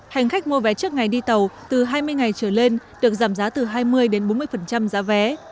hành khách mua vé trước ngày đi tàu từ hai mươi ngày trở lên được giảm giá từ hai mươi đến bốn mươi giá vé